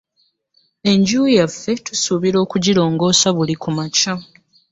Enju yaffe tusuubira okugirongosa buli kumakya.